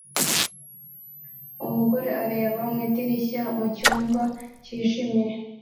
Umugore areba mu idirishya mucyumba cyijimye